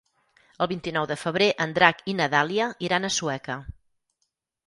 El vint-i-nou de febrer en Drac i na Dàlia iran a Sueca.